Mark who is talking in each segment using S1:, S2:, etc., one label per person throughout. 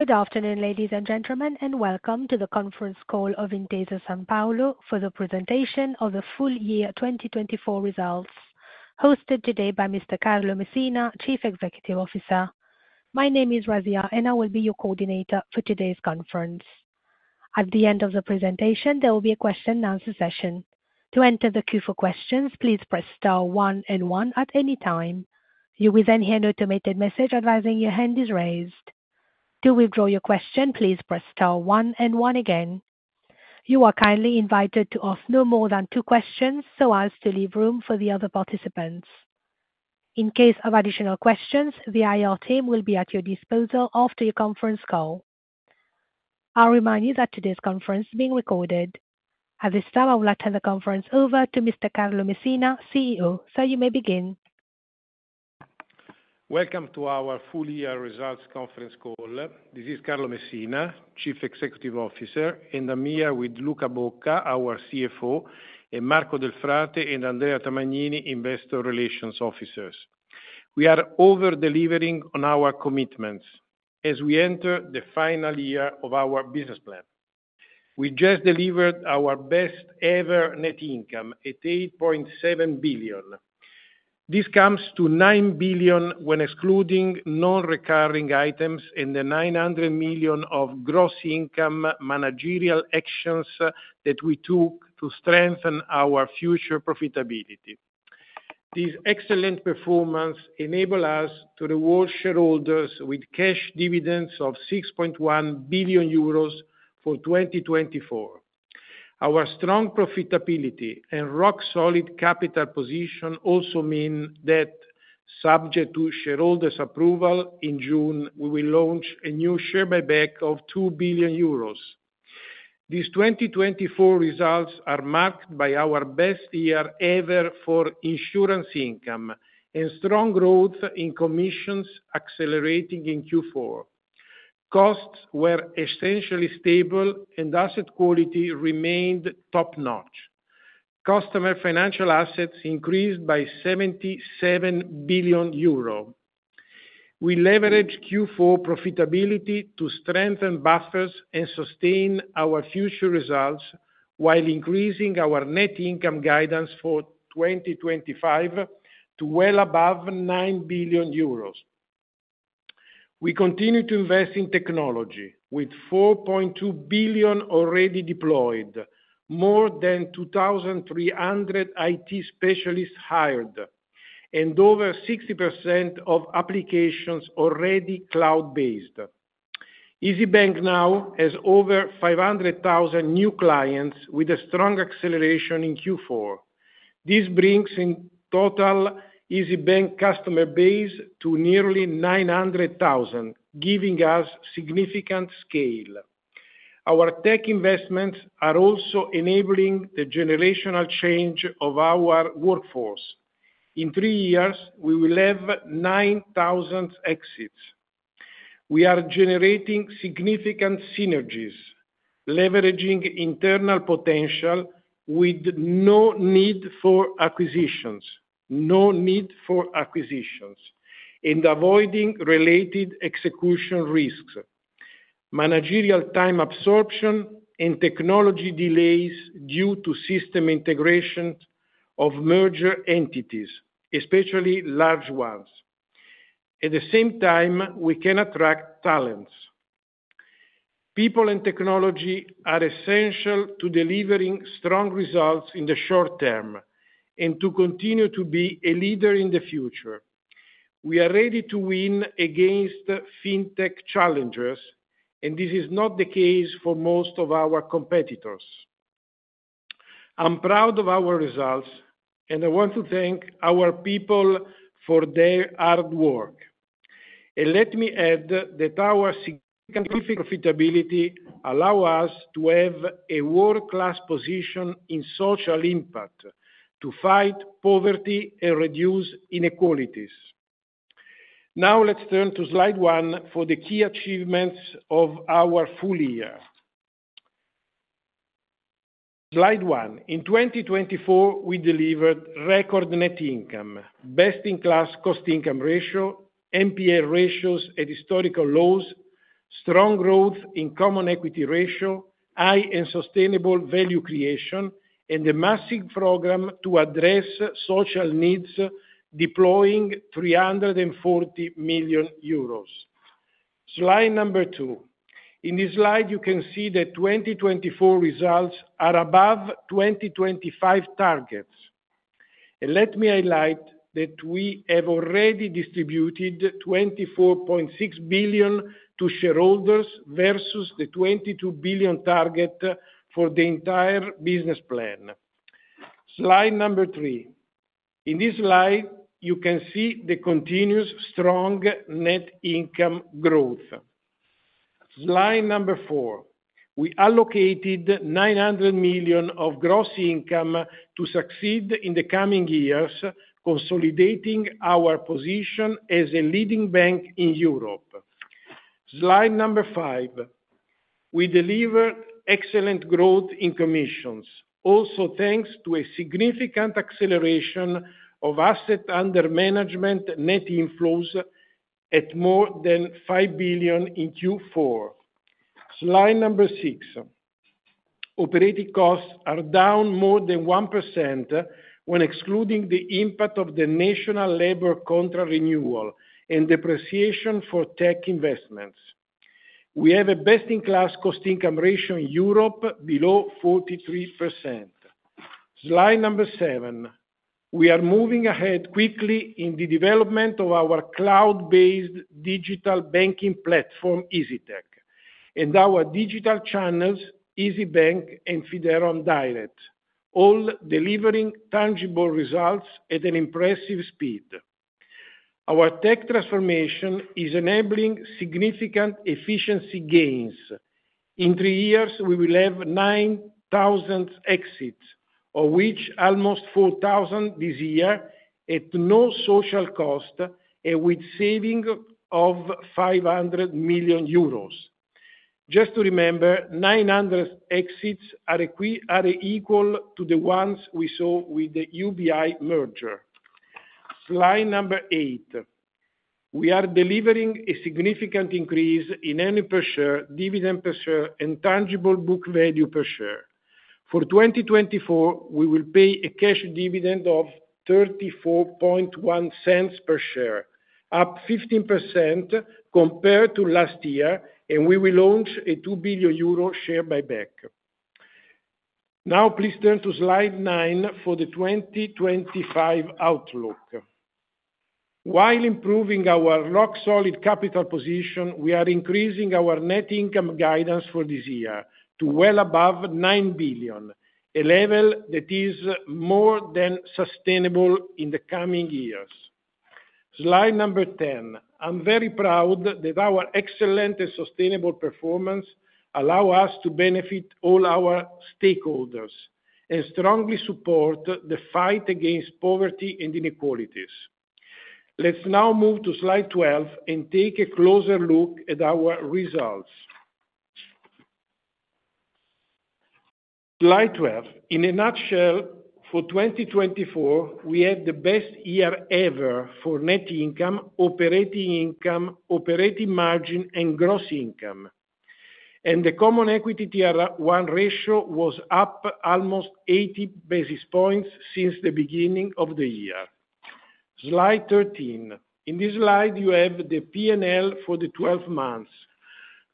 S1: Good afternoon, ladies and gentlemen, and Welcome to the conference call of Intesa Sanpaolo for the presentation of the full year 2024 results, hosted today by Mr. Carlo Messina, Chief Executive Officer. My name is Ravia, and I will be your coordinator for today's conference. At the end of the presentation, there will be a question-and-answer session. To enter the queue for questions, please press star one and one at any time. You will then hear an automated message advising your hand is raised. To withdraw your question, please press star one and one again. You are kindly invited to ask no more than two questions so as to leave room for the other participants. In case of additional questions, the IR team will be at your disposal after your conference call. I'll remind you that today's conference is being recorded. At this time, I will turn the conference over to Mr. Carlo Messina, CEO, so you may begin.
S2: Welcome to our full year results conference call. This is Carlo Messina, Chief Executive Officer, and I'm here with Luca Bocca, our CFO, and Marco Delfrate, and Andrea Tamagnini, Investor Relations Officers. We are over-delivering on our commitments as we enter the final year of our business plan. We just delivered our best-ever net income at 8.7 billion. This comes to 9 billion when excluding non-recurring items and the 900 million of gross income managerial actions that we took to strengthen our future profitability. This excellent performance enabled us to reward shareholders with cash dividends of 6.1 billion euros for 2024. Our strong profitability and rock-solid capital position also mean that, subject to shareholders' approval in June, we will launch a new share buyback of 2 billion euros. These 2024 results are marked by our best year ever for insurance income and strong growth in commissions accelerating in Q4. Costs were essentially stable, and asset quality remained top-notch. Customer financial assets increased by 77 billion euro. We leveraged Q4 profitability to strengthen buffers and sustain our future results while increasing our net income guidance for 2025 to well above 9 billion euros. We continue to invest in technology, with 4.2 billion already deployed, more than 2,300 IT specialists hired, and over 60% of applications already cloud-based. Isybank now has over 500,000 new clients with a strong acceleration in Q4. This brings in total Isybank customer base to nearly 900,000, giving us significant scale. Our tech investments are also enabling the generational change of our workforce. In three years, we will have 9,000 exits. We are generating significant synergies, leveraging internal potential with no need for acquisitions, no need for acquisitions, and avoiding related execution risks, managerial time absorption, and technology delays due to system integration of merger entities, especially large ones. At the same time, we can attract talents. People and technology are essential to delivering strong results in the short term and to continue to be a leader in the future. We are ready to win against fintech challengers, and this is not the case for most of our competitors. I'm proud of our results, and I want to thank our people for their hard work. And let me add that our significant profitability allows us to have a world-class position in social impact to fight poverty and reduce inequalities. Now, let's turn to slide one for the key achievements of our full year. Slide one. In 2024, we delivered record net income, best-in-class cost-income ratio, NPA ratios at historical lows, strong growth in common equity ratio, high and sustainable value creation, and a massive program to address social needs, deploying 340 million euros. Slide number two. In this slide, you can see that 2024 results are above 2025 targets. And let me highlight that we have already distributed 24.6 billion to shareholders versus the 22 billion target for the entire business plan. Slide number three. In this slide, you can see the continuous strong net income growth. Slide number four. We allocated 900 million of gross income to succeed in the coming years, consolidating our position as a leading bank in Europe. Slide number five. We delivered excellent growth in commissions, also thanks to a significant acceleration of asset under management net inflows at more than 5 billion in Q4. Slide number six. Operating costs are down more than 1% when excluding the impact of the national labor contract renewal and depreciation for tech investments. We have a best-in-class cost-income ratio in Europe below 43%. Slide number 7. We are moving ahead quickly in the development of our cloud-based digital banking platform, Isytech, and our digital channels, Isybank and Fideuram Direct, all delivering tangible results at an impressive speed. Our tech transformation is enabling significant efficiency gains. In three years, we will have 9,000 exits, of which almost 4,000 this year at no social cost and with saving of 500 million euros. Just to remember, 900 exits are equal to the ones we saw with the UBI merger. Slide number 8. We are delivering a significant increase in annual per share, dividend per share, and tangible book value per share. For 2024, we will pay a cash dividend of 0.341 per share, up 15% compared to last year, and we will launch a 2 billion euro share buyback. Now, please turn to slide nine for the 2025 outlook. While improving our rock-solid capital position, we are increasing our net income guidance for this year to well above 9 billion, a level that is more than sustainable in the coming years. Slide number ten. I'm very proud that our excellent and sustainable performance allows us to benefit all our stakeholders and strongly support the fight against poverty and inequalities. Let's now move to slide 12 and take a closer look at our results. Slide 12. In a nutshell, for 2024, we had the best year ever for net income, operating income, operating margin, and gross income. The common equity Tier 1 ratio was up almost 80 basis points since the beginning of the year. Slide 13. In this slide, you have the P&L for the 12 months.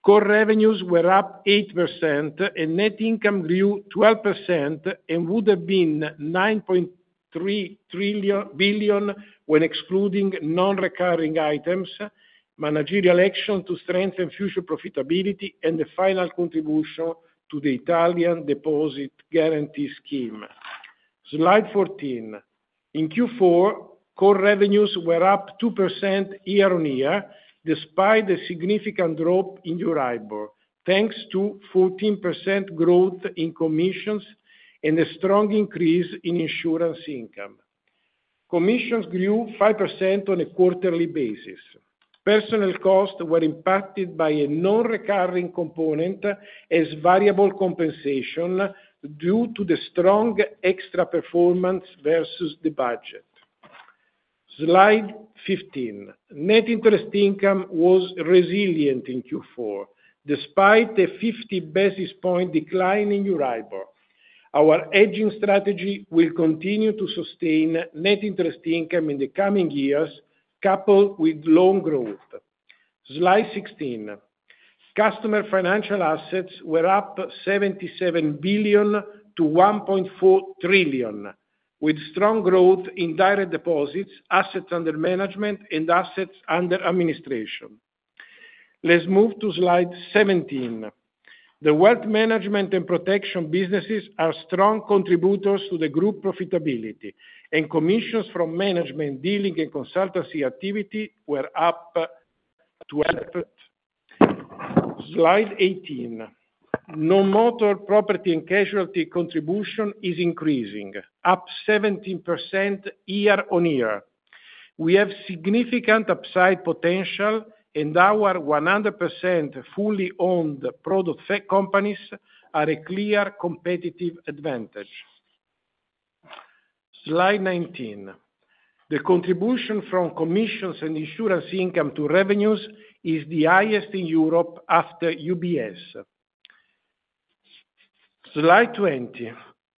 S2: Core revenues were up 8%, and net income grew 12% and would have been 9.3 billion when excluding non-recurring items, managerial action to strengthen future profitability, and the final contribution to the Italian deposit guarantee scheme. Slide 14. In Q4, core revenues were up 2% year-on-year, despite a significant drop in Euribor, thanks to 14% growth in commissions and a strong increase in insurance income. Commissions grew 5% on a quarterly basis. Personnel costs were impacted by a non-recurring component as variable compensation due to the strong extra performance versus the budget. Slide 15. Net interest income was resilient in Q4, despite a 50 basis point decline in Euribor. Our hedging strategy will continue to sustain net interest income in the coming years, coupled with loan growth. Slide 16. Customer financial assets were up 77 billion - 1.4 trillion, with strong growth in direct deposits, assets under management, and assets under administration. Let's move to slide 17. The wealth management and protection businesses are strong contributors to the group profitability, and commissions from management, dealing, and consultancy activity were up 12%. Slide 18. Non-motor property and casualty contribution is increasing, up 17% year-on-year. We have significant upside potential, and our 100% fully owned product companies are a clear competitive advantage. Slide 19. The contribution from commissions and insurance income to revenues is the highest in Europe after UBS. Slide 20.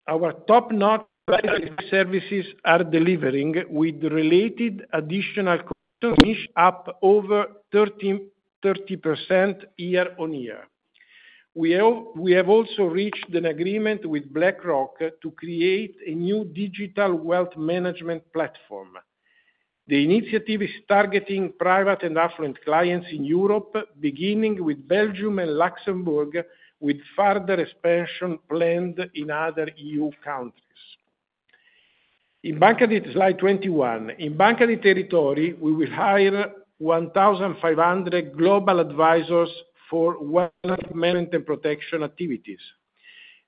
S2: Our top-notch private services are delivering with related additional commissions, up over 30% year-on-year. We have also reached an agreement with BlackRock to create a new digital wealth management platform. The initiative is targeting private and affluent clients in Europe, beginning with Belgium and Luxembourg, with further expansion planned in other EU countries. In Banca dei Territori slide 21. In Banca dei Territori, we will hire 1,500 global advisors for wealth management and protection activities.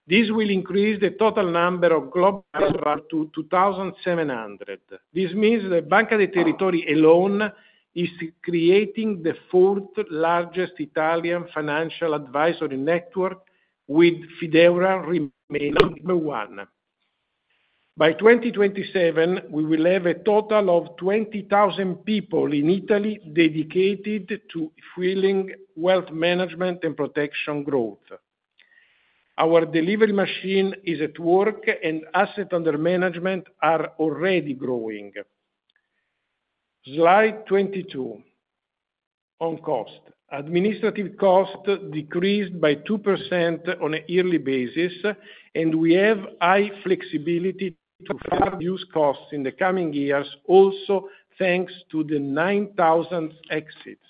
S2: This will increase the total number of global advisors to 2,700. This means that Banca dei Territori alone is creating the fourth largest Italian financial advisory network, with Fideuram remaining number one. By 2027, we will have a total of 20,000 people in Italy dedicated to fueling wealth management and protection growth. Our delivery machine is at work, and assets under management are already growing. Slide 22. On cost. Administrative cost decreased by 2% on a yearly basis, and we have high flexibility to further reduce costs in the coming years, also thanks to the 9,000 exits.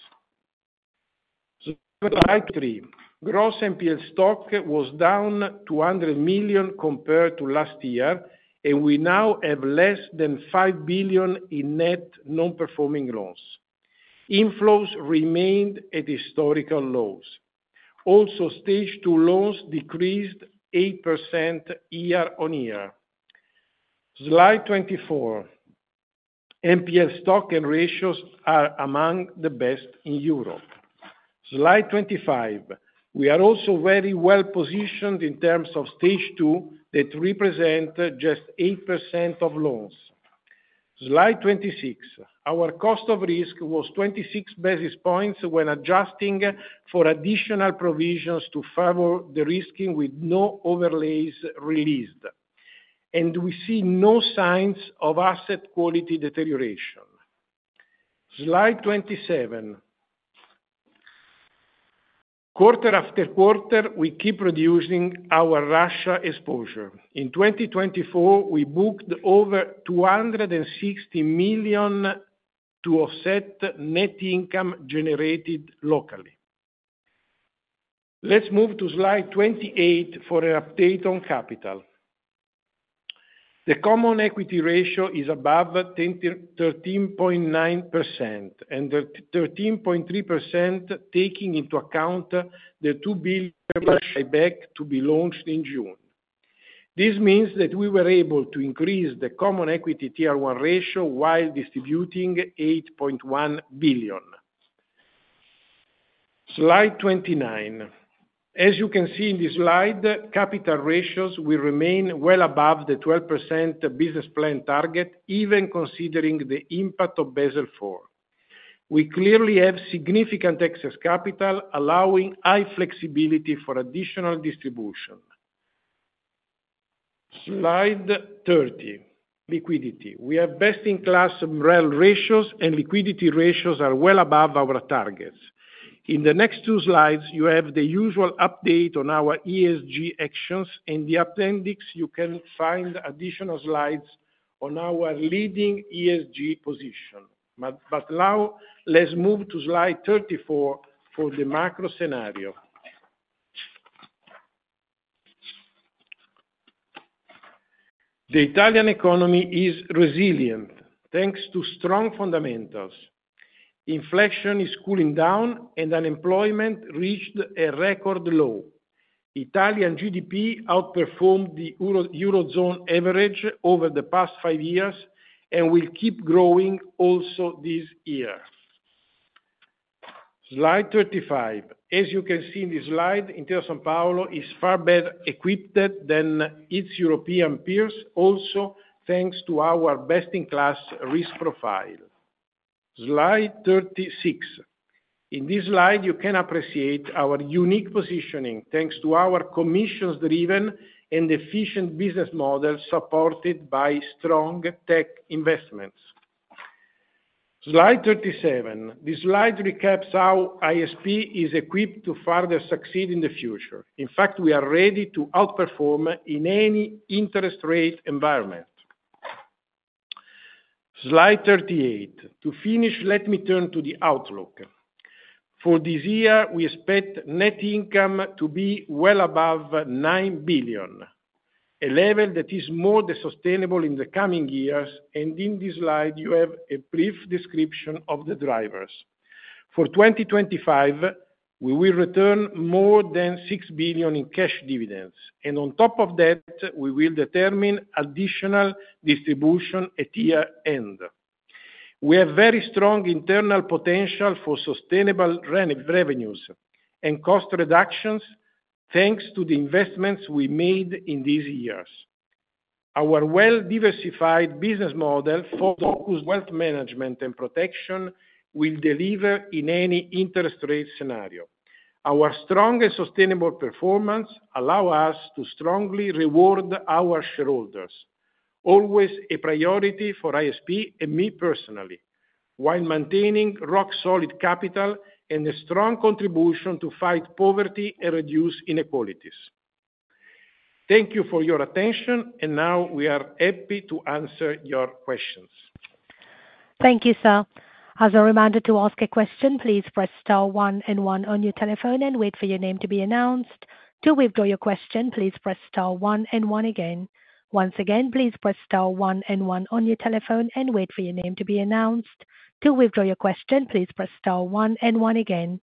S2: Slide three. Gross NPL stock was down 200 million compared to last year, and we now have less than 5 billion in net non-performing loans. Inflows remained at historical lows. Also, Stage 2 loans decreased 8% year-on-year. Slide 24. NPL stock and ratios are among the best in Europe. Slide 25. We are also very well positioned in terms of Stage 2 that represents just 8% of loans. Slide 26. Our cost of risk was 26 basis points when adjusting for additional provisions to favor de-risking with no overlays released, and we see no signs of asset quality deterioration. Slide 27. Quarter after quarter, we keep reducing our Russia exposure. In 2024, we booked over 260 million to offset net income generated locally. Let's move to slide 28 for an update on capital. The Common Equity ratio is above 13.9%, and 13.3% taking into account the 2 billion buyback to be launched in June. This means that we were able to increase the Common Equity Tier 1 ratio while distributing 8.1 billion. Slide 29. As you can see in this slide, capital ratios will remain well above the 12% business plan target, even considering the impact of Basel IV. We clearly have significant excess capital, allowing high flexibility for additional distribution. Slide 30. Liquidity. We have best-in-class LCR ratios, and liquidity ratios are well above our targets. In the next two slides, you have the usual update on our ESG actions, and in the appendix, you can find additional slides on our leading ESG position. But now, let's move to slide 34 for the macro scenario. The Italian economy is resilient thanks to strong fundamentals. Inflation is cooling down, and unemployment reached a record low. Italian GDP outperformed the Eurozone average over the past five years and will keep growing also this year. Slide 35. As you can see in this slide, Intesa Sanpaolo is far better equipped than its European peers, also thanks to our best-in-class risk profile. Slide 36. In this slide, you can appreciate our unique positioning thanks to our commissions-driven and efficient business model supported by strong tech investments. Slide 37. This slide recaps how ISP is equipped to further succeed in the future. In fact, we are ready to outperform in any interest rate environment. Slide 38. To finish, let me turn to the outlook. For this year, we expect net income to be well above 9 billion, a level that is more than sustainable in the coming years. In this slide, you have a brief description of the drivers. For 2025, we will return more than 6 billion in cash dividends. On top of that, we will determine additional distribution at year-end. We have very strong internal potential for sustainable revenues and cost reductions thanks to the investments we made in these years. Our well-diversified business model focused on wealth management and protection will deliver in any interest rate scenario. Our strong and sustainable performance allows us to strongly reward our shareholders, always a priority for ISP and me personally, while maintaining rock-solid capital and a strong contribution to fight poverty and reduce inequalities. Thank you for your attention, and now we are happy to answer your questions.
S1: Thank you, sir. As a reminder to ask a question, please press star one and one on your telephone and wait for your name to be announced. To withdraw your question, please press star one and one again. Once again, please press star one and one on your telephone and wait for your name to be announced. To withdraw your question, please press star one and one again.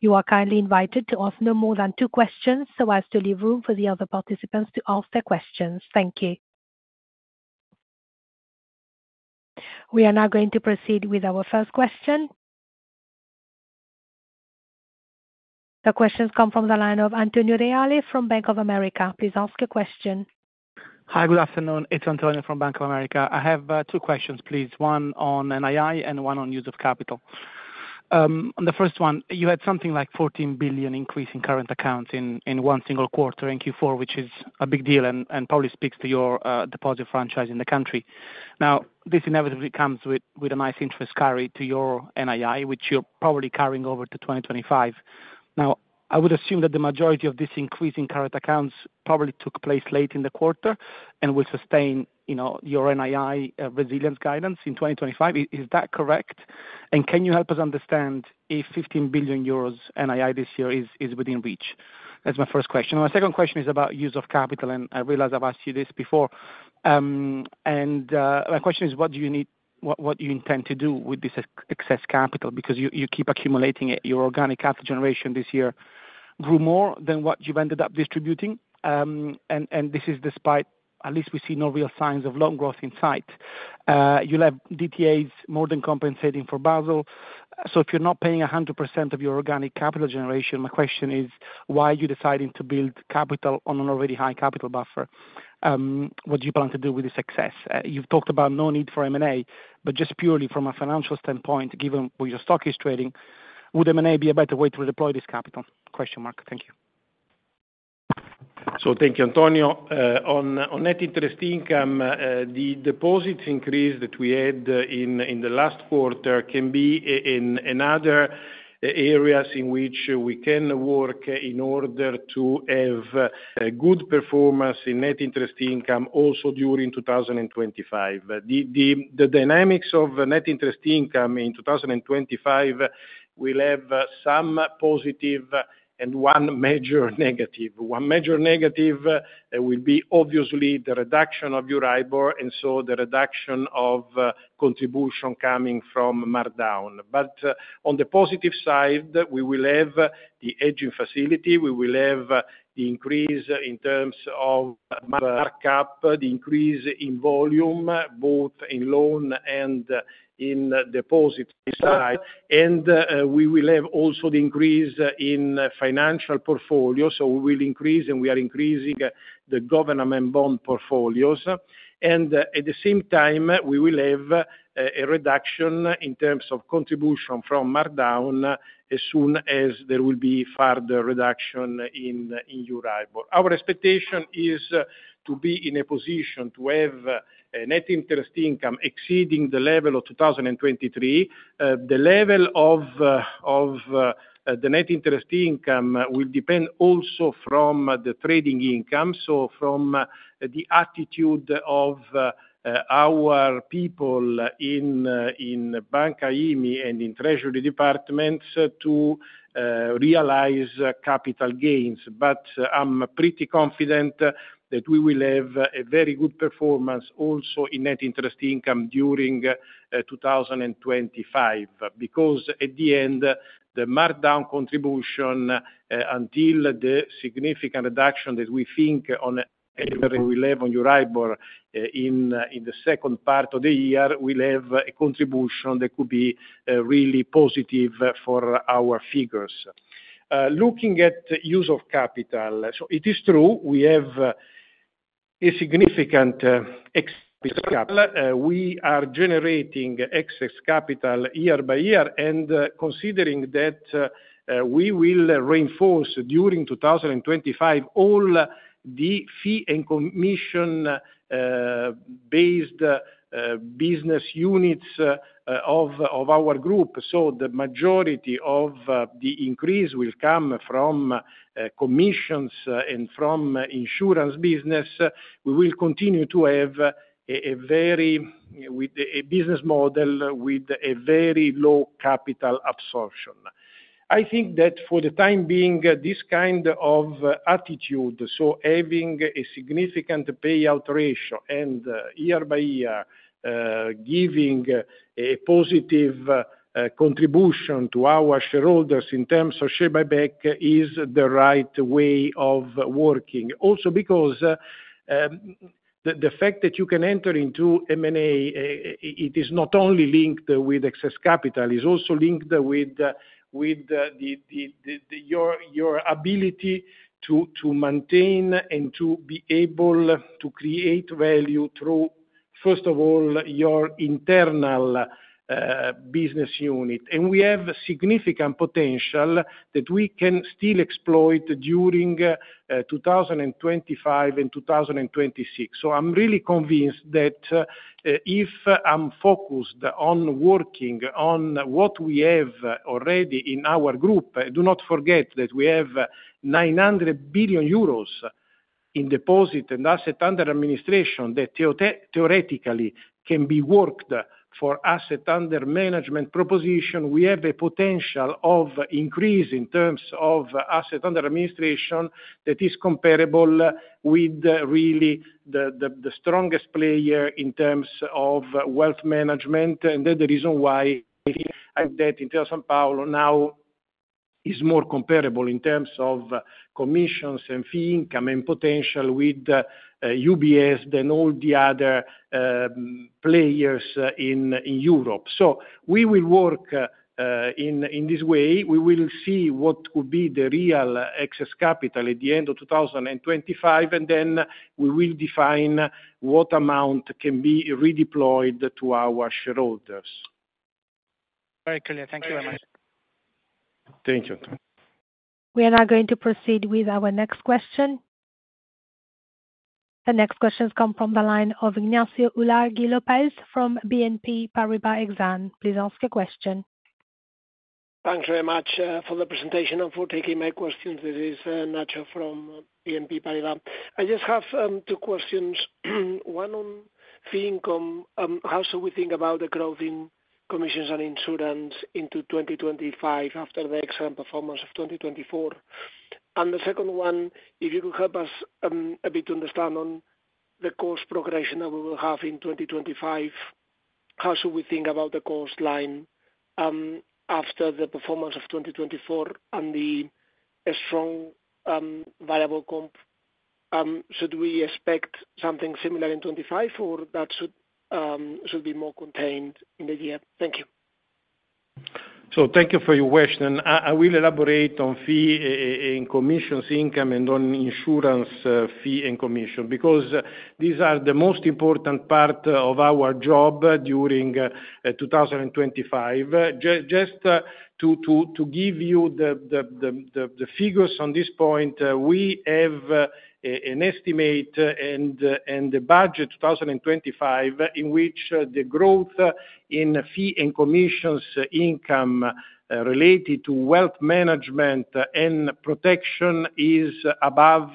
S1: You are kindly invited to ask no more than two questions so as to leave room for the other participants to ask their questions. Thank you. We are now going to proceed with our first question. The questions come from the line of Antonio Reale from Bank of America. Please ask a question.
S3: Hi, good afternoon. It's Antonio from Bank of America. I have two questions, please. One on NII and one on use of capital. On the first one, you had something like 14 billion increase in current accounts in one single quarter in Q4, which is a big deal and probably speaks to your deposit franchise in the country. Now, this inevitably comes with a nice interest carry to your NII, which you're probably carrying over to 2025. Now, I would assume that the majority of this increase in current accounts probably took place late in the quarter and will sustain your NII resilience guidance in 2025. Is that correct? And can you help us understand if 15 billion euros NII this year is within reach? That's my first question. My second question is about use of capital, and I realize I've asked you this before. And my question is, what do you need? What do you intend to do with this excess capital? Because you keep accumulating it. Your organic asset generation this year grew more than what you've ended up distributing. And this is despite, at least we see no real signs of loan growth in sight. You have DTAs more than compensating for Basel. So if you're not paying 100% of your organic capital generation, my question is, why are you deciding to build capital on an already high capital buffer? What do you plan to do with this excess? You've talked about no need for M&A, but just purely from a financial standpoint, given where your stock is trading, would M&A be a better way to redeploy this capital? Thank you.
S2: So thank you, Antonio. On net interest income, the deposits increase that we had in the last quarter can be in other areas in which we can work in order to have good performance in net interest income also during 2025. The dynamics of net interest income in 2025 will have some positive and one major negative. One major negative will be obviously the reduction of Euribor and so the reduction of contribution coming from markdown. But on the positive side, we will have the hedging facility. We will have the increase in terms of markup, the increase in volume, both in loan and in deposit side. And we will have also the increase in financial portfolio. So we will increase, and we are increasing the government bond portfolios. And at the same time, we will have a reduction in terms of contribution from markdown as soon as there will be further reduction in Euribor. Our expectation is to be in a position to have net interest income exceeding the level of 2023. The level of the net interest income will depend also from the trading income, so from the attitude of our people in Banca IMI and in Treasury departments to realize capital gains. But I'm pretty confident that we will have a very good performance also in net interest income during 2025. Because at the end, the markdown contribution until the significant reduction that we think we'll have on Euribor in the second part of the year, we'll have a contribution that could be really positive for our figures. Looking at use of capital, so it is true we have a significant excess capital. We are generating excess capital year by year and considering that we will reinforce during 2025 all the fee and commission-based business units of our group, so the majority of the increase will come from commissions and from insurance business. We will continue to have a very business model with a very low capital absorption. I think that for the time being, this kind of attitude, so having a significant payout ratio and year by year giving a positive contribution to our shareholders in terms of share buyback, is the right way of working. Also because the fact that you can enter into M&A, it is not only linked with excess capital, it is also linked with your ability to maintain and to be able to create value through, first of all, your internal business unit, and we have significant potential that we can still exploit during 2025 and 2026. I'm really convinced that if I'm focused on working on what we have already in our group. Do not forget that we have 900 billion euros in deposits and assets under administration that theoretically can be worked for assets under management proposition. We have a potential of increase in terms of assets under administration that is comparable with really the strongest player in terms of wealth management, and then the reason why I think that Intesa Sanpaolo now is more comparable in terms of commissions and fee income and potential with UBS than all the other players in Europe, so we will work in this way. We will see what could be the real excess capital at the end of 2025, and then we will define what amount can be redeployed to our shareholders.
S3: Very clear. Thank you very much.
S2: Thank you.
S1: We are now going to proceed with our next question. The next questions come from the line of Ignacio Ulargui from BNP Paribas Exane. Please ask a question. Thank you very much for the presentation. This is Nacho from BNP Paribas. I just have two questions. One on fee income, how should we think about the growth in commissions and insurance into 2025 after the excellent performance of 2024? And the second one, if you could help us a bit to understand on the cost progression that we will have in 2025, how should we think about the cost line after the performance of 2024 and the strong variable comp? Should we expect something similar in 2025, or that should be more contained in the year? Thank you.
S2: So thank you for your question. I will elaborate on fees and commissions income and on insurance fees and commissions because these are the most important part of our job during 2025. Just to give you the figures on this point, we have an estimate and the budget 2025 in which the growth in fees and commissions income related to wealth management and protection is above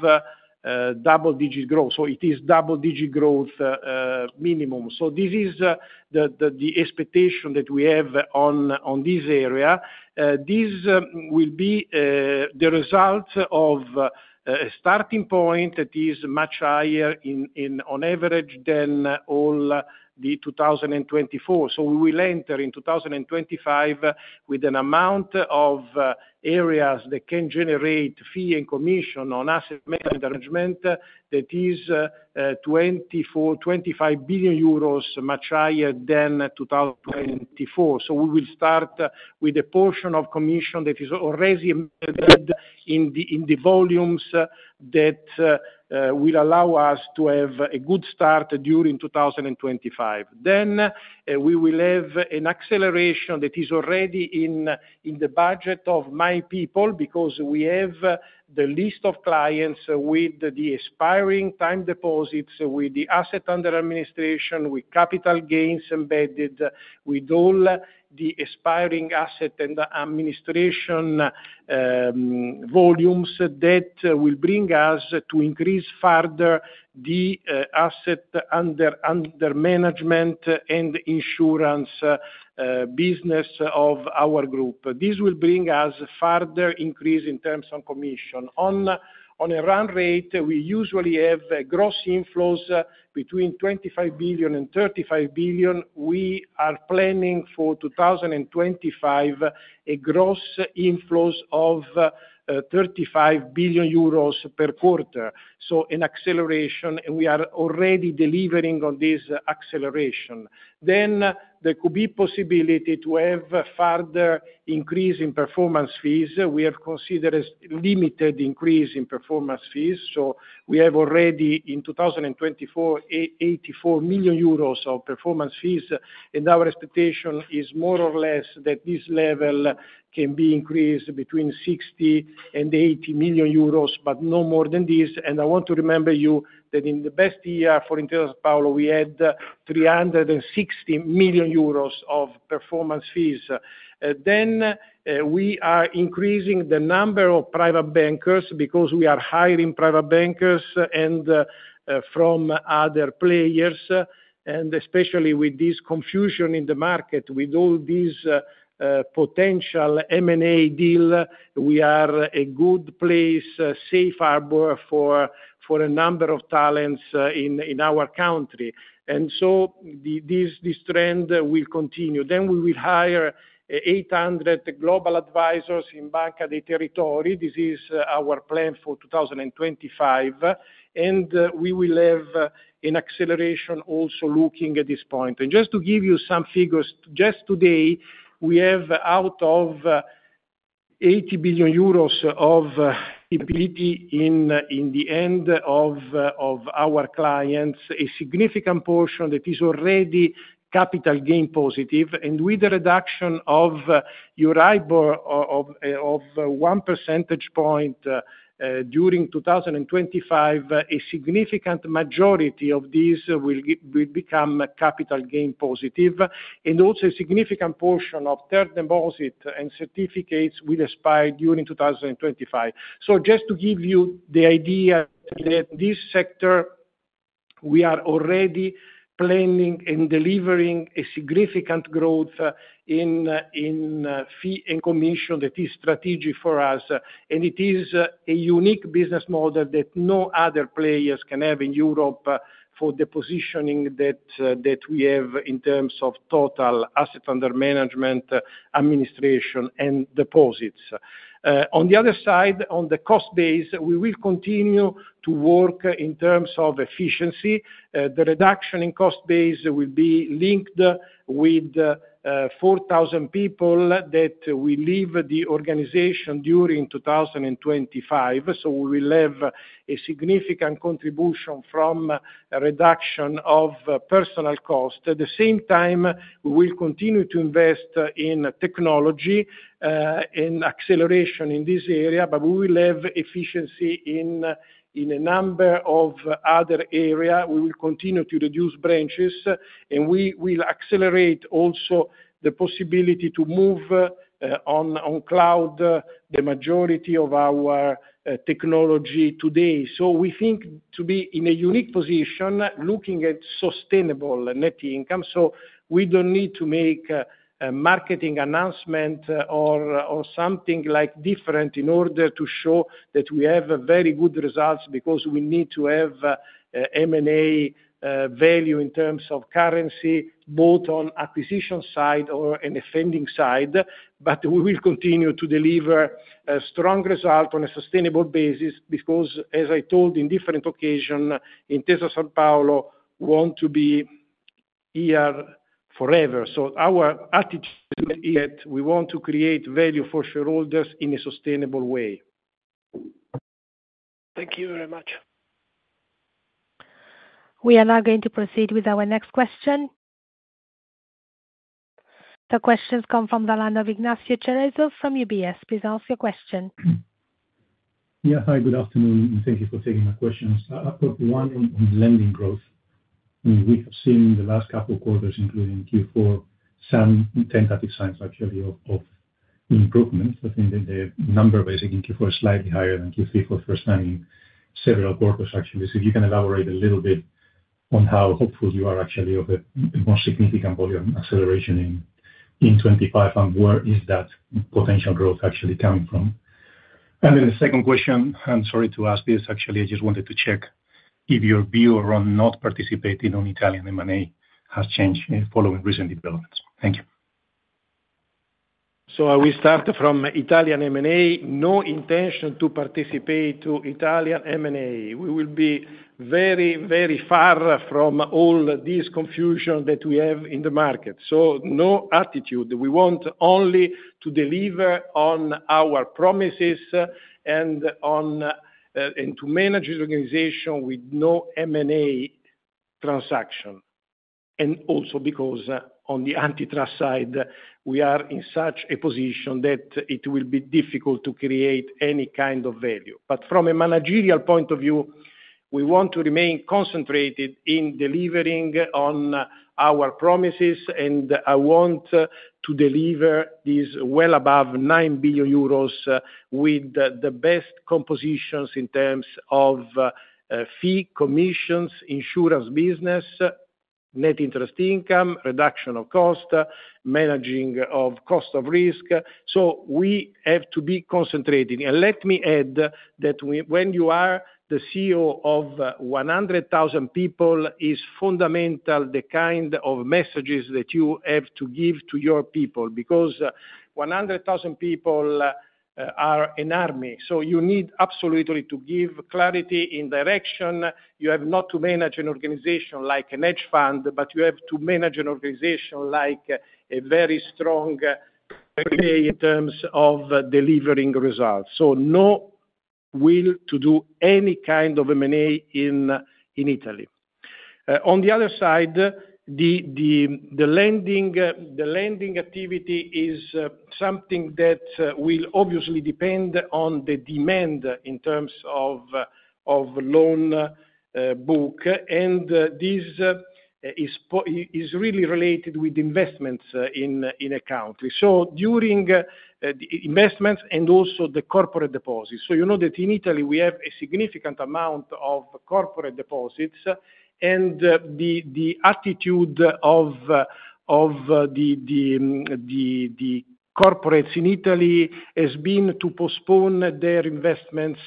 S2: double-digit growth. So it is double-digit growth minimum. So this is the expectation that we have on this area. This will be the result of a starting point that is much higher on average than all the 2024. So we will enter in 2025 with an amount of assets that can generate fees and commissions on asset management that is 25 billion euros, much higher than 2024. We will start with a portion of commission that is already in the volumes that will allow us to have a good start during 2025. Then we will have an acceleration that is already in the budget of my people because we have the list of clients with the expiring time deposits, with the Assets Under Administration, with capital gains embedded, with all the expiring assets under administration volumes that will bring us to increase further the Assets Under Management and insurance business of our group. This will bring us further increase in terms of commission. On a run rate, we usually have a gross inflows between 25 billion and 35 billion. We are planning for 2025 a gross inflows of 35 billion euros per quarter. So an acceleration, and we are already delivering on this acceleration. Then there could be possibility to have further increase in performance fees. We have considered limited increase in performance fees, so we have already in 2024, 84 million euros of performance fees, and our expectation is more or less that this level can be increased between 60 million and 80 million euros, but no more than this. I want to remind you that in the best year for Intesa Sanpaolo, we had 360 million euros of performance fees. We are increasing the number of private bankers because we are hiring private bankers and from other players, and especially with this confusion in the market, with all this potential M&A deal, we are a good place, safe harbor for a number of talents in our country, and so this trend will continue. We will hire 800 global advisors in Banca dei Territori. This is our plan for 2025, and we will have an acceleration also looking at this point. Just to give you some figures, just today, we have out of 80 billion euros of liquidity in the hands of our clients, a significant portion that is already capital gains positive. With the reduction of Euribor of one percentage point during 2025, a significant majority of these will become capital gains positive. Also a significant portion of term deposit and certificates will expire during 2025. So just to give you the idea that this sector, we are already planning and delivering a significant growth in fee and commission that is strategic for us. It is a unique business model that no other players can have in Europe for the positioning that we have in terms of total assets under management, administration, and deposits. On the other side, on the cost base, we will continue to work in terms of efficiency. The reduction in cost base will be linked with 4,000 people that will leave the organization during 2025. So we will have a significant contribution from a reduction of personnel cost. At the same time, we will continue to invest in technology and acceleration in this area, but we will have efficiency in a number of other areas. We will continue to reduce branches, and we will accelerate also the possibility to move on cloud the majority of our technology today. So we think to be in a unique position looking at sustainable net income. So we don't need to make a marketing announcement or something like different in order to show that we have very good results because we need to have M&A value in terms of currency, both on acquisition side or an offering side. But we will continue to deliver a strong result on a sustainable basis because, as I told in different occasions, Intesa Sanpaolo want to be here forever. So our attitude is that we want to create value for shareholders in a sustainable way. Thank you very much.
S1: We are now going to proceed with our next question. The questions come from the line of Ignacio Cerezo from UBS. Please ask your question.
S4: Yeah, hi, good afternoon, and thank you for taking my questions. I've got one on lending growth. We have seen in the last couple of quarters, including Q4, some tentative signs actually of improvement. I think the number basically in Q4 is slightly higher than Q3 for first time in several quarters actually. So if you can elaborate a little bit on how hopeful you are actually of a more significant volume acceleration in 2025 and where is that potential growth actually coming from? And then the second question, I'm sorry to ask this, actually, I just wanted to check if your view on not participating on Italian M&A has changed following recent developments. Thank you.
S2: So we start from Italian M&A. No intention to participate to Italian M&A. We will be very, very far from all this confusion that we have in the market. So no attitude. We want only to deliver on our promises and to manage the organization with no M&A transaction. And also because on the antitrust side, we are in such a position that it will be difficult to create any kind of value. But from a managerial point of view, we want to remain concentrated in delivering on our promises, and I want to deliver this well above 9 billion euros with the best compositions in terms of fee, commissions, insurance business, net interest income, reduction of cost, managing of cost of risk. So we have to be concentrated. And let me add that when you are the CEO of 100,000 people, it is fundamental the kind of messages that you have to give to your people because 100,000 people are an army. So you need absolutely to give clarity in direction. You have not to manage an organization like a hedge fund, but you have to manage an organization like a very strong player in terms of delivering results. So no will to do any kind of M&A in Italy. On the other side, the lending activity is something that will obviously depend on the demand in terms of loan book, and this is really related with investments in a country. So during investments and also the corporate deposits. So you know that in Italy, we have a significant amount of corporate deposits, and the attitude of the corporates in Italy has been to postpone their investments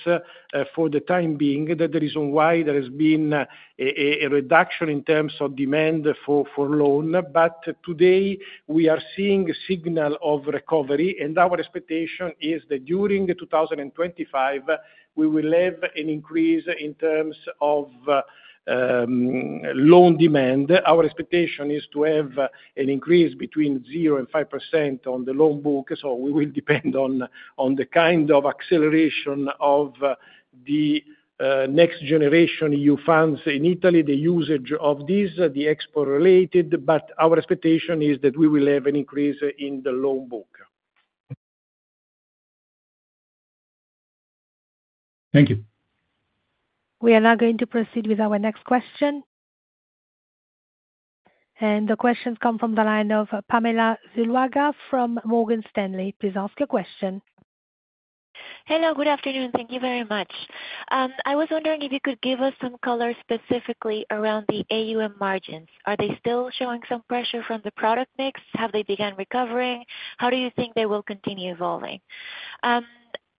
S2: for the time being. That is why there has been a reduction in terms of demand for loan. But today, we are seeing a signal of recovery, and our expectation is that during 2025, we will have an increase in terms of loan demand. Our expectation is to have an increase between 0% and 5% on the loan book. So we will depend on the kind of acceleration of the NextGenerationEU funds in Italy, the usage of these, the export-related. But our expectation is that we will have an increase in the loan book.
S4: Thank you.
S1: We are now going to proceed with our next question. And the questions come from the line of Pamela Zuluaga from Morgan Stanley. Please ask your question.
S5: Hello, good afternoon. Thank you very much. I was wondering if you could give us some color specifically around the AUM margins. Are they still showing some pressure from the product mix? Have they begun recovering? How do you think they will continue evolving?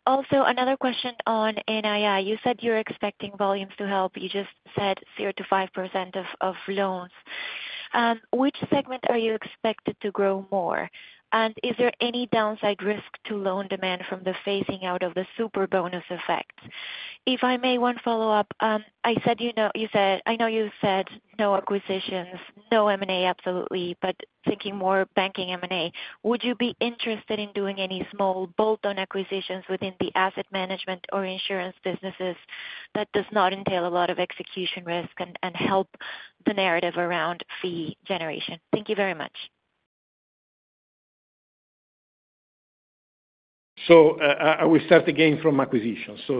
S5: Also, another question on NII. You said you're expecting volumes to help. You just said 0%-5% of loans. Which segment are you expected to grow more? And is there any downside risk to loan demand from the phasing out of the Superbonus effect? If I may, one follow-up. I said you said, I know you said no acquisitions, no M&A absolutely, but thinking more banking M&A. Would you be interested in doing any small bolt-on acquisitions within the asset management or insurance businesses that does not entail a lot of execution risk and help the narrative around fee generation? Thank you very much.
S2: So we start again from acquisitions. So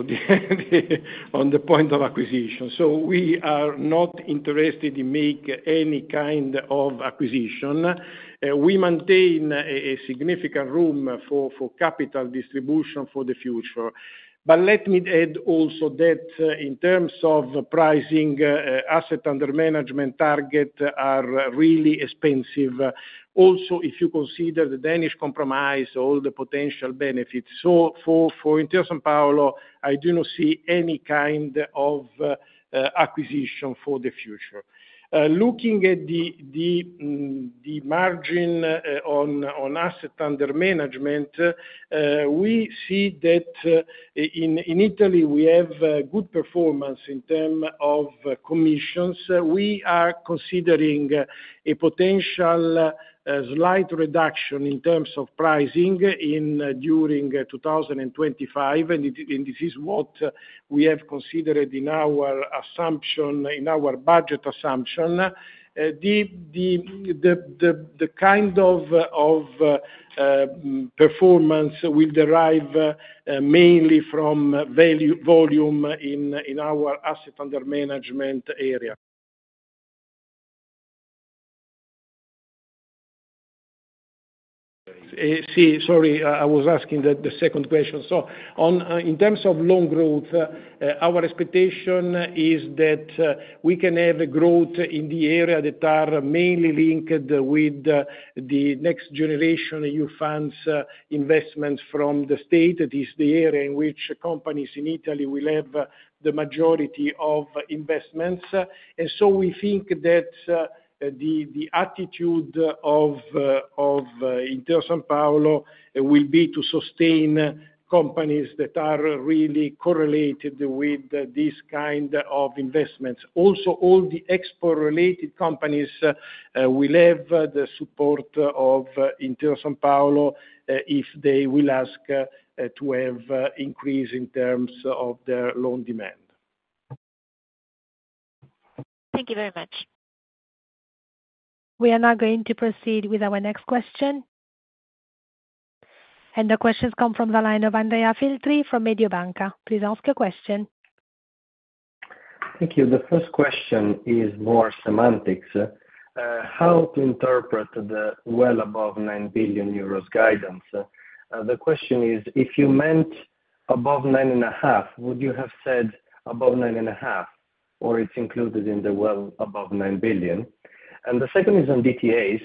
S2: on the point of acquisitions, so we are not interested in making any kind of acquisition. We maintain a significant room for capital distribution for the future. But let me add also that in terms of pricing, asset under management targets are really expensive. Also, if you consider the Danish Compromise, all the potential benefits. So for Intesa Sanpaolo, I do not see any kind of acquisition for the future. Looking at the margin on assets under management, we see that in Italy, we have good performance in terms of commissions. We are considering a potential slight reduction in terms of pricing during 2025, and this is what we have considered in our assumption, in our budget assumption. The kind of performance will derive mainly from volume in our assets under management area. See, sorry, I was asking the second question. So in terms of loan growth, our expectation is that we can have a growth in the area that are mainly linked with the NextGenerationEU funds investments from the state. That is the area in which companies in Italy will have the majority of investments. And so we think that the attitude of Intesa Sanpaolo will be to sustain companies that are really correlated with this kind of investments. Also, all the export-related companies will have the support of Intesa Sanpaolo if they will ask to have increase in terms of their loan demand.
S5: Thank you very much.
S1: We are now going to proceed with our next question. And the questions come from the line of Andrea Filtri from Mediobanca. Please ask your question.
S6: Thank you. The first question is more semantics. How to interpret the well above 9 billion euros guidance? The question is, if you meant above 9 and a half, would you have said above 9 and a half, or it's included in the well above 9 billion? And the second is on DTAs.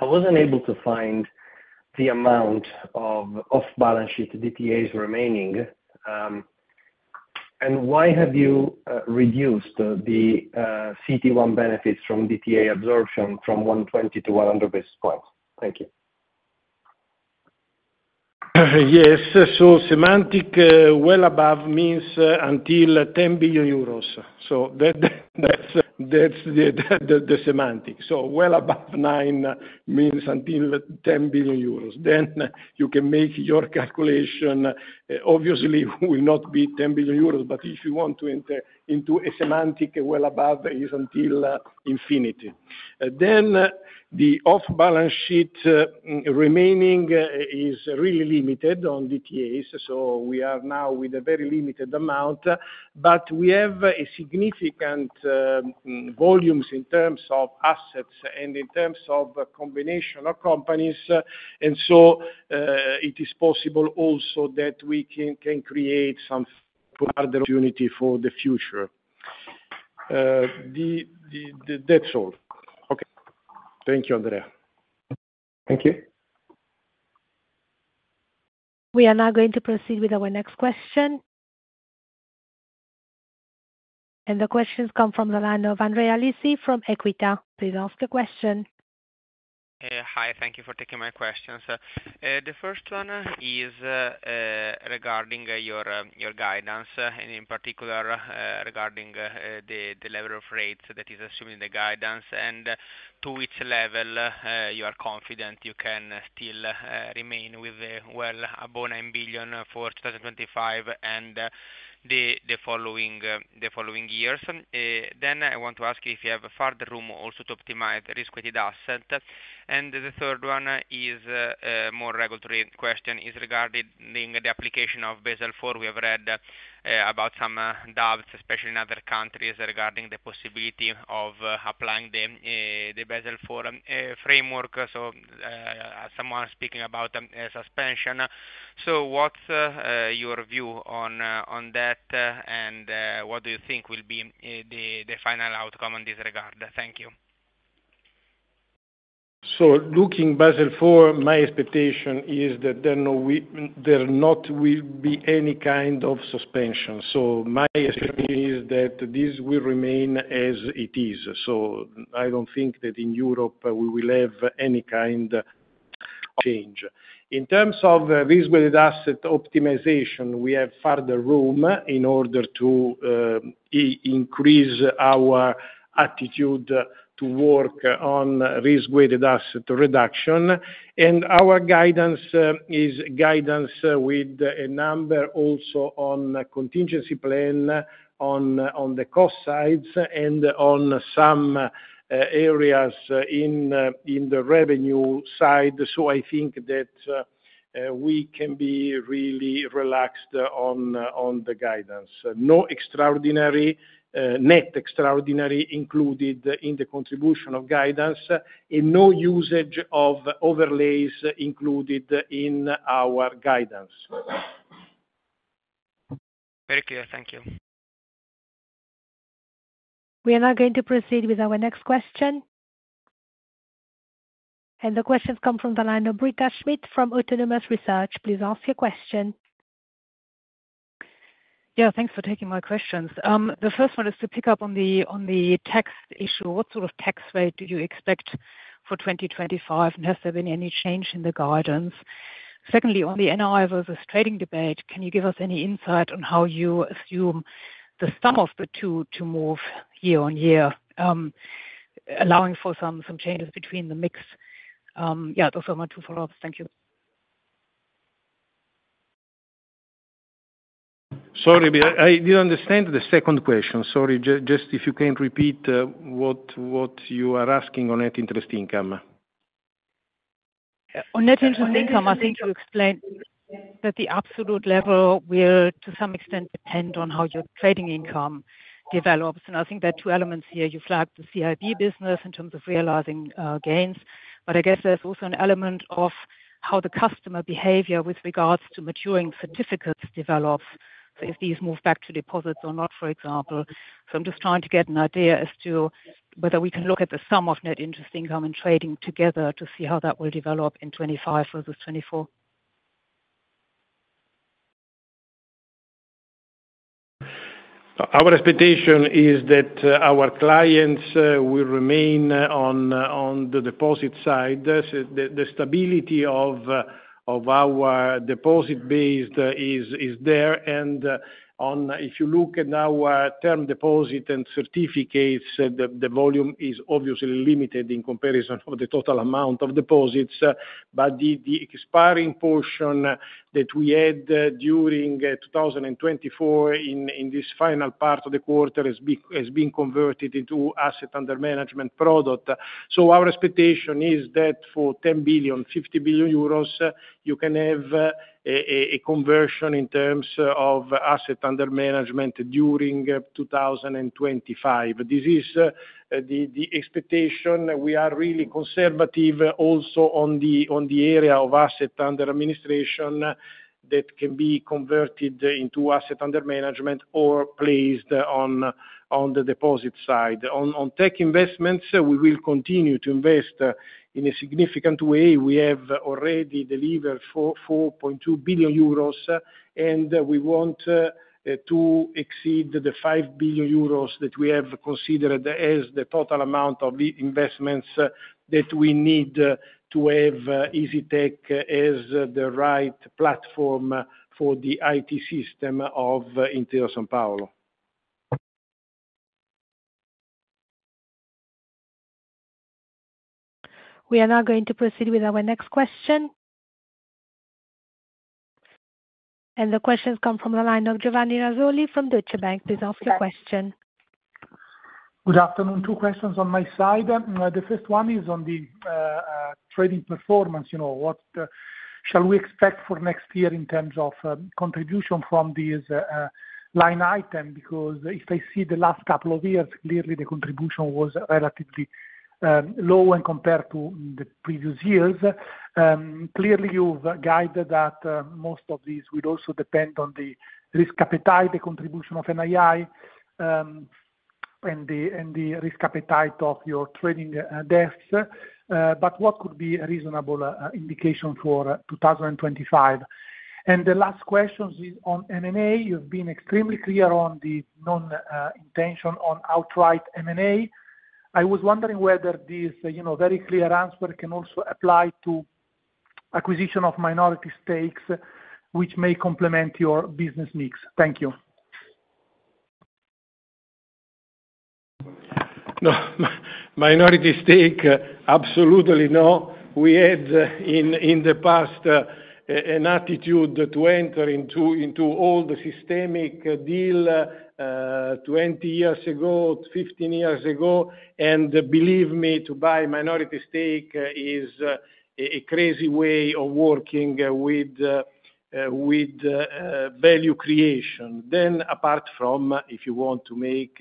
S6: I wasn't able to find the amount of off-balance-sheet DTAs remaining. And why have you reduced the CET1 benefits from DTA absorption from 120 to 100 basis points? Thank you.
S2: Yes. So semantic well above means until 10 billion euros. That's the semantic. Well above nine means until 10 billion euros. Then you can make your calculation. Obviously, it will not be 10 billion euros, but if you want to enter into a semantic well above, it's until infinity. Then the off-balance sheet remaining is really limited on DTAs. We are now with a very limited amount, but we have significant volumes in terms of assets and in terms of combination of companies. And so it is possible also that we can create some further opportunity for the future. That's all.
S6: Okay.
S2: Thank you, Andrea.
S6: Thank you.
S1: We are now going to proceed with our next question. The questions come from the line of Andrea Lisi from Equita. Please ask your question.
S7: Hi. Thank you for taking my questions. The first one is regarding your guidance, and in particular regarding the level of rates that is assumed in the guidance and to which level you are confident you can still remain with well above 9 billion for 2025 and the following years. Then I want to ask you if you have further room also to optimize the risk-weighted asset. And the third one is a more regulatory question regarding the application of Basel IV. We have read about some doubts, especially in other countries, regarding the possibility of applying the Basel IV framework. So someone speaking about suspension. So what's your view on that, and what do you think will be the final outcome in this regard? Thank you.
S2: So looking Basel IV, my expectation is that there will not be any kind of suspension. So my expectation is that this will remain as it is. So I don't think that in Europe we will have any kind of change. In terms of risk-weighted asset optimization, we have further room in order to increase our attitude to work on risk-weighted asset reduction. And our guidance is guidance with a number also on contingency plan on the cost sides and on some areas in the revenue side. So I think that we can be really relaxed on the guidance. No extraordinary, net extraordinary included in the contribution of guidance, and no usage of overlays included in our guidance.
S7: Very clear. Thank you.
S1: We are now going to proceed with our next question. And the questions come from the line of Britta Schmidt from Autonomous Research. Please ask your question.
S8: Yeah. Thanks for taking my questions. The first one is to pick up on the tax issue. What sort of tax rate do you expect for 2025, and has there been any change in the guidance? Secondly, on the NII versus trading debate, can you give us any insight on how you assume the sum of the two to move year on year, allowing for some changes between the mix? Yeah, those are my two follow-ups. Thank you.
S2: Sorry, I didn't understand the second question. Sorry, just if you can repeat what you are asking on net interest income.
S8: On net interest income, I think you explained that the absolute level will, to some extent, depend on how your trading income develops, and I think there are two elements here. You flagged the CIB business in terms of realizing gains, but I guess there's also an element of how the customer behavior with regards to maturing certificates develops. If these move back to deposits or not, for example. I'm just trying to get an idea as to whether we can look at the sum of net interest income and trading together to see how that will develop in 2025 versus 2024?
S2: Our expectation is that our clients will remain on the deposit side. The stability of our deposit base is there. If you look at our term deposit and certificates, the volume is obviously limited in comparison to the total amount of deposits. But the expiring portion that we had during 2024 in this final part of the quarter has been converted into asset under management product. Our expectation is that for 10 billion-50 billion euros, you can have a conversion in terms of asset under management during 2025. This is the expectation. We are really conservative also on the area of asset under administration that can be converted into asset under management or placed on the deposit side. On tech investments, we will continue to invest in a significant way. We have already delivered 4.2 billion euros, and we want to exceed the 5 billion euros that we have considered as the total amount of investments that we need to have Isytech as the right platform for the IT system of Intesa Sanpaolo.
S1: We are now going to proceed with our next question. And the questions come from the line of Giovanni Razzoli from Deutsche Bank. Please ask your question.
S9: Good afternoon. Two questions on my side. The first one is on the trading performance. What shall we expect for next year in terms of contribution from this line item? Because if I see the last couple of years, clearly the contribution was relatively low when compared to the previous years. Clearly, you've guided that most of these would also depend on the risk appetite, the contribution of NII, and the risk appetite of your trading desks. But what could be a reasonable indication for 2025? And the last question is on M&A. You've been extremely clear on the non-intention on outright M&A. I was wondering whether this very clear answer can also apply to acquisition of minority stakes, which may complement your business mix. Thank you.
S2: Minority stake, absolutely no. We had in the past an attitude to enter into all the systemic deal 20 years ago, 15 years ago. And believe me, to buy minority stake is a crazy way of working with value creation. Then apart from if you want to make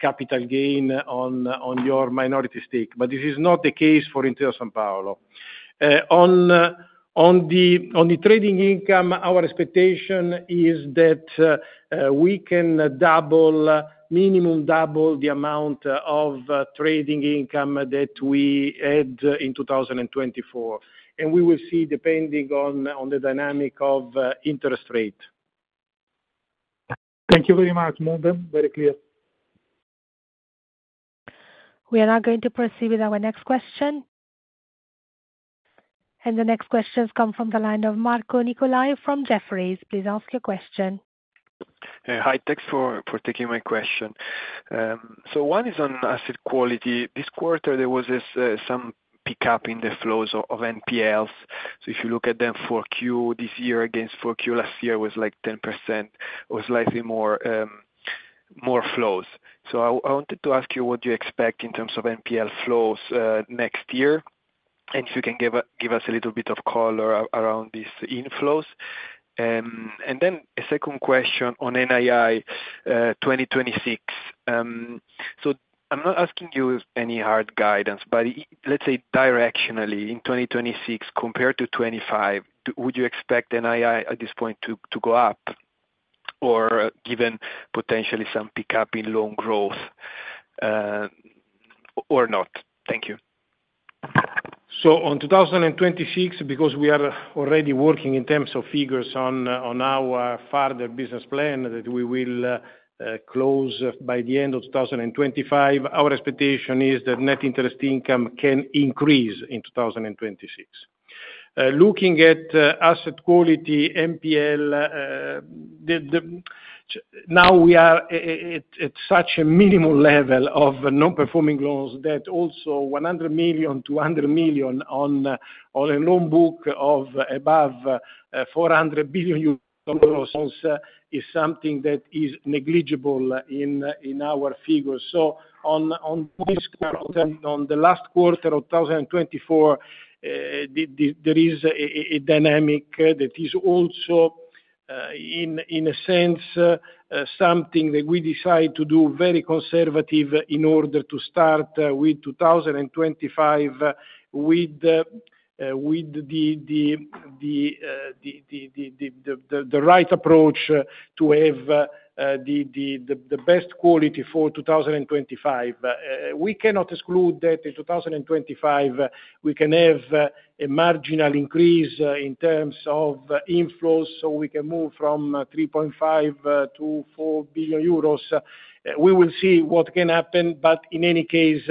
S2: capital gain on your minority stake. But this is not the case for Intesa Sanpaolo. On the trading income, our expectation is that we can double, minimum double, the amount of trading income that we had in 2024. And we will see depending on the dynamic of interest rate.
S9: Thank you very much, Morgan. Very clear.
S1: We are now going to proceed with our next question. And the next questions come from the line of Marco Nicolai from Jefferies. Please ask your question.
S10: Hi. Thanks for taking my question. So one is on asset quality. This quarter, there was some pickup in the flows of NPLs. So if you look at them 4Q this year against 4Q last year, it was like 10%. It was slightly more flows. So I wanted to ask you what you expect in terms of NPL flows next year, and if you can give us a little bit of color around these inflows. And then a second question on NII 2026. So I'm not asking you any hard guidance, but let's say directionally in 2026 compared to 2025, would you expect NII at this point to go up or given potentially some pickup in loan growth or not? Thank you.
S2: So on 2026, because we are already working in terms of figures on our further business plan that we will close by the end of 2025, our expectation is that net interest income can increase in 2026. Looking at asset quality, NPL, now we are at such a minimum level of non-performing loans that also 100 million, 200 million on a loan book of above 400 billion euros is something that is negligible in our figures. So on this quarter, on the last quarter of 2024, there is a dynamic that is also, in a sense, something that we decide to do very conservative in order to start with 2025 with the right approach to have the best quality for 2025. We cannot exclude that in 2025, we can have a marginal increase in terms of inflows, so we can move from 3.5 billion to 4 billion euros. We will see what can happen, but in any case,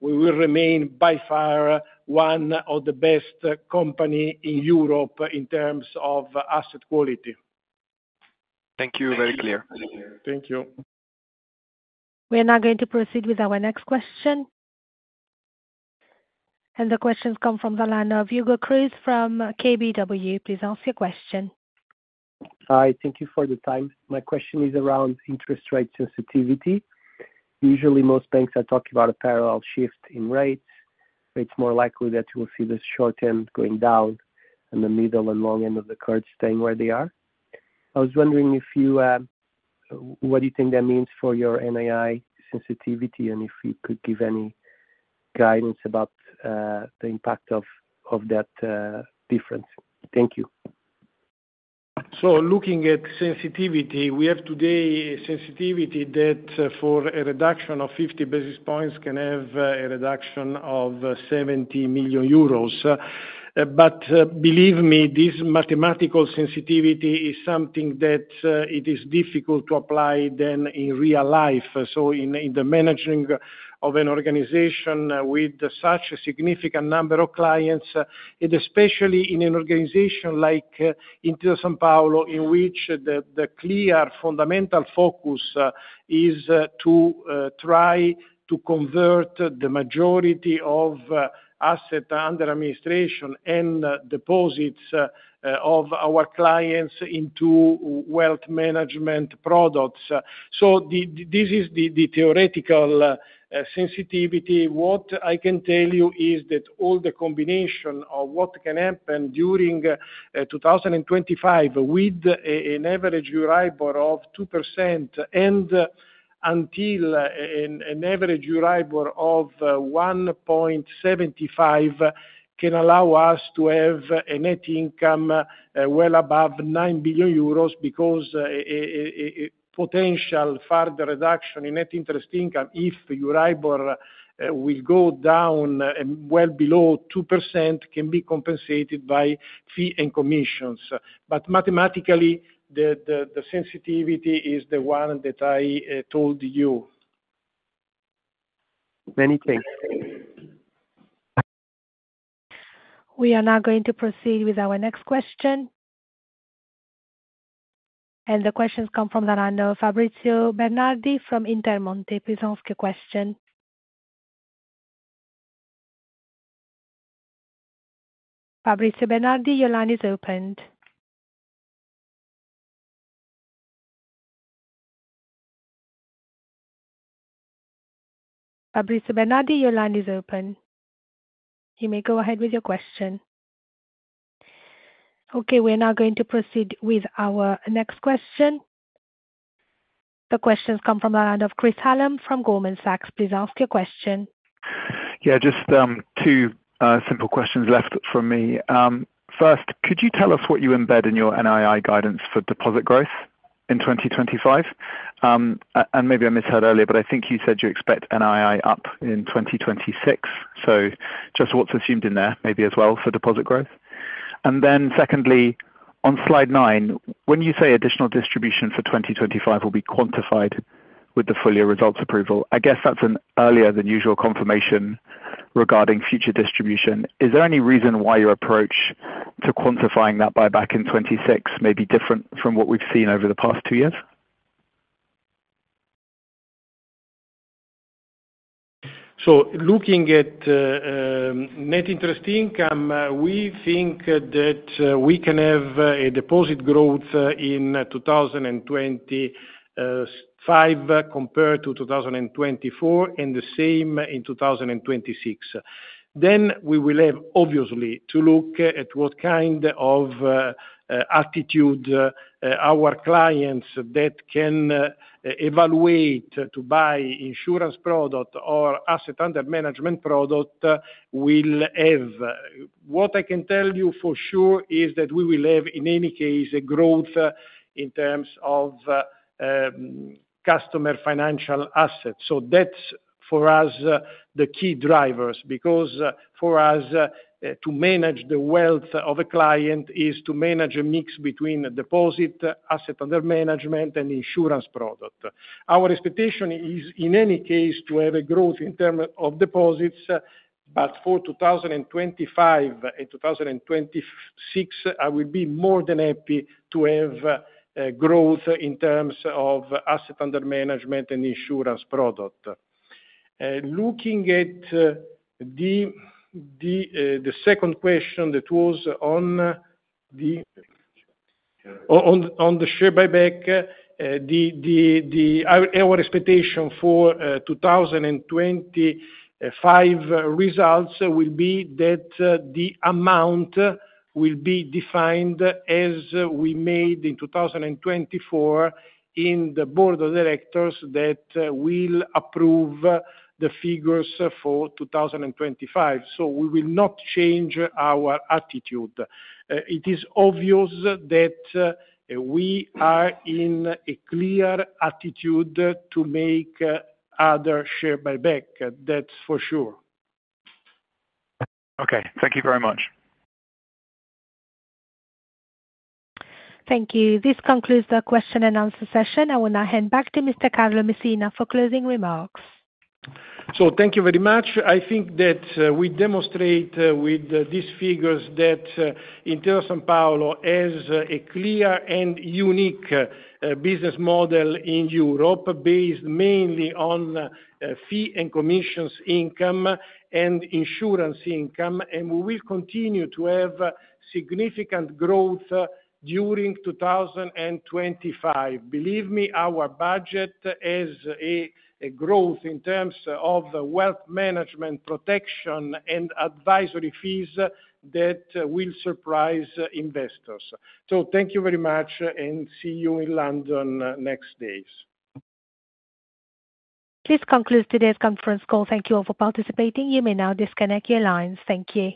S2: we will remain by far one of the best companies in Europe in terms of asset quality.
S10: Thank you. Very clear.
S2: Thank you.
S1: We are now going to proceed with our next question, and the questions come from the line of Hugo Cruz from KBW. Please ask your question.
S11: Hi. Thank you for the time. My question is around interest rate sensitivity. Usually, most banks are talking about a parallel shift in rates. It's more likely that you will see the short end going down and the middle and long end of the curve staying where they are. I was wondering if you, what do you think that means for your NII sensitivity and if you could give any guidance about the impact of that difference. Thank you.
S2: So looking at sensitivity, we have today a sensitivity that for a reduction of 50 basis points can have a reduction of 70 million euros. But believe me, this mathematical sensitivity is something that it is difficult to apply then in real life. So in the managing of an organization with such a significant number of clients, and especially in an organization like Intesa Sanpaolo, in which the clear fundamental focus is to try to convert the majority of asset under administration and deposits of our clients into wealth management products. So this is the theoretical sensitivity. What I can tell you is that all the combination of what can happen during 2025 with an average Euribor of 2% and until an average Euribor of 1.75% can allow us to have a net income well above 9 billion euros because potential further reduction in net interest income if Euribor will go down well below 2% can be compensated by fees and commissions. But mathematically, the sensitivity is the one that I told you.
S11: Many thanks.
S1: We are now going to proceed with our next question.
S2: And the questions come from the line of Fabrizio Bernardi from Intermonte. Please ask your question. Fabrizio Bernardi, your line is opened. You may go ahead with your question. Okay. We are now going to proceed with our next question. The questions come from the line of Chris Hallam from Goldman Sachs. Please ask your question.
S12: Yeah. Just two simple questions left from me. First, could you tell us what you embed in your NII guidance for deposit growth in 2025? And maybe I misheard earlier, but I think you said you expect NII up in 2026. So just what's assumed in there maybe as well for deposit growth. And then secondly, on slide nine, when you say additional distribution for 2025 will be quantified with the full year results approval, I guess that's an earlier than usual confirmation regarding future distribution. Is there any reason why your approach to quantifying that buyback in 2026 may be different from what we've seen over the past two years?
S2: So looking at net interest income, we think that we can have a deposit growth in 2025 compared to 2024 and the same in 2026. Then we will have obviously to look at what kind of attitude our clients that can evaluate to buy insurance product or asset under management product will have. What I can tell you for sure is that we will have in any case a growth in terms of customer financial assets. So that's for us the key drivers because for us to manage the wealth of a client is to manage a mix between deposit, asset under management, and insurance product. Our expectation is in any case to have a growth in terms of deposits, but for 2025 and 2026, I will be more than happy to have growth in terms of asset under management and insurance product. Looking at the second question that was on the share buyback, our expectation for 2025 results will be that the amount will be defined as we made in 2024 in the board of directors that will approve the figures for 2025. So we will not change our attitude. It is obvious that we are in a clear attitude to make other share buyback. That's for sure.
S12: Okay. Thank you very much.
S1: Thank you. This concludes the question and answer session. I will now hand back to Mr. Carlo Messina for closing remarks.
S2: So thank you very much. I think that we demonstrate with these figures that Intesa Sanpaolo has a clear and unique business model in Europe based mainly on fees and commissions income and insurance income, and we will continue to have significant growth during 2025. Believe me, our budget has a growth in terms of wealth management protection and advisory fees that will surprise investors. So thank you very much and see you in London next days.
S1: Please conclude today's conference call. Thank you all for participating. You may now disconnect your lines. Thank you.